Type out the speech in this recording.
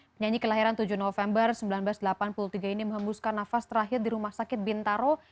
penyanyi kelahiran tujuh november seribu sembilan ratus delapan puluh tiga ini menghembuskan nafas terakhir di rumah sakit bintaro